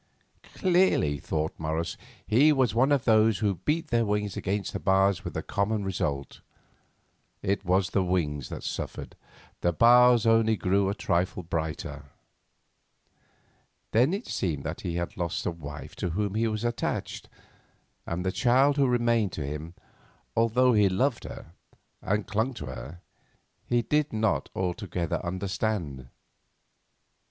Clearly, thought Morris, he was one of those who beat their wings against the bars with the common result; it was the wings that suffered, the bars only grew a trifle brighter. Then it seemed that he had lost a wife to whom he was attached, and the child who remained to him, although he loved her and clung to her, he did not altogether understand.